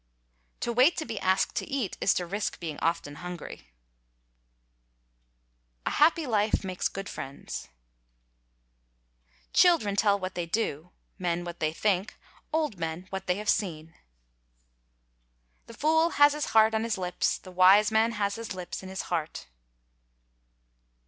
—To wait to be asked to eat is to risk being often hungry.— A happy life makes good friends.—Children tell what they do, men what they think, old men what they have seen.—The fool has his heart on his. lips, the wise man has his lips in his heart.